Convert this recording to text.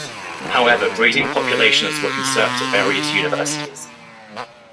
However, breeding populations were conserved at various Universities.